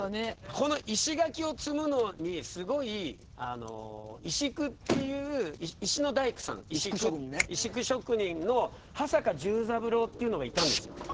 石垣を積むのに石工という石の大工さん石工職人の羽坂重三郎というのがいたんです。